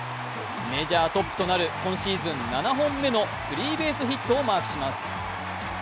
メジャートップとなる今シーズン７本目のスリーベースヒットをマークします。